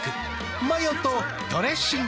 マヨとドレッシングで。